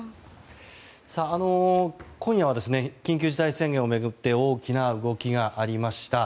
今夜は緊急事態宣言を巡って大きな動きがありました。